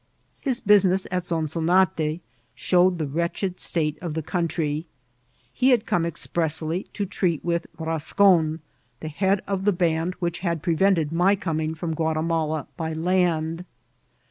His business at Zonzonate showed the wretched state of the country. He had come expressly to treat with Bascon, the head of the band which had prevented my coming from Guatimala by land.